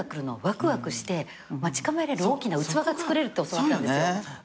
わくわくして待ち構えれる大きな器がつくれるって教わったんですよ。